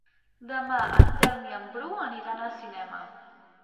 Demà en Telm i en Bru aniran al cinema.